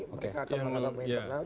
mereka akan mengalami